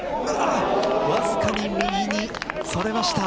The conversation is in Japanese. わずかに右にそれました。